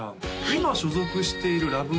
今所属しているＬＯＶＥＣＣｉＮＯ